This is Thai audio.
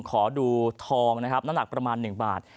ขอดูทองนะครับน้ำหนักประมาณ๑บาท